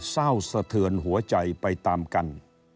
เศร้าสะเทือนหัวใจไปตามกัน